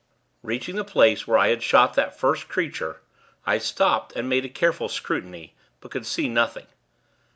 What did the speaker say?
Reaching the place where I had shot that first creature, I stopped, and made a careful scrutiny; but could see nothing.